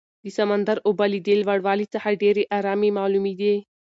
د سمندر اوبه له دې لوړوالي څخه ډېرې ارامې معلومېدې.